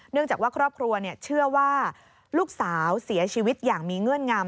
จากว่าครอบครัวเชื่อว่าลูกสาวเสียชีวิตอย่างมีเงื่อนงำ